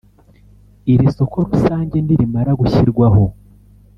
Iri soko rusange nirimara gushyirwaho